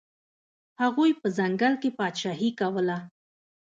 هغوی په ځنګل کې پاچاهي کوله.